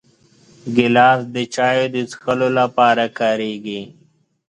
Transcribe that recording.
ګیلاس د چایو د څښلو لپاره کارېږي.